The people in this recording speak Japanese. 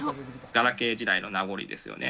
ガラケー時代の名残ですよね。